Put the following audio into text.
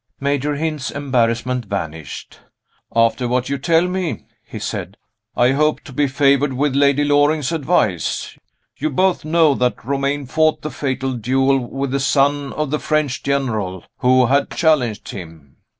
Major Hynd's embarrassment vanished. "After what you tell me," he said, "I hope to be favored with Lady Loring's advice. You both know that Romayne fought the fatal duel with a son of the French General who had challenged him.